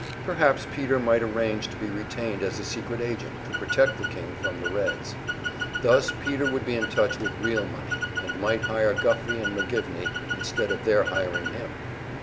Perhaps Peter might arrange to be retained as a secret agent to protect the king from the Reds. Thus Peter would be in touch with real money, and might hire Guffey and McGivney, instead of their hiring him.